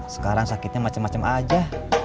sekarang sakitnya macam macam aja